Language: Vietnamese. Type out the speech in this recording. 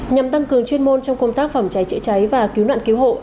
nhằm tăng cường chuyên môn trong công tác phòng cháy chữa cháy và cứu nạn cứu hộ